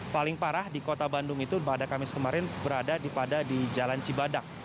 paling parah di kota bandung itu pada kamis kemarin berada pada di jalan cibadak